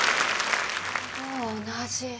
ほぼ同じ。